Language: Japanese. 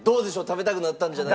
食べたくなったんじゃ。